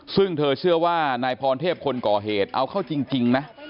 ซึ่งเธอเชื่อว่านายพรเทพคนก่อเหตุเอาเข้าจริงนะ